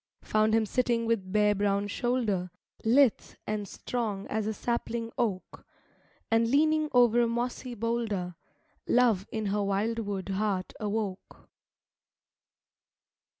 Found him sitting with bare brown shoulder, Lithe and strong as a sapling oak, And leaning over a mossy boulder, Love in her wildwood heart awoke.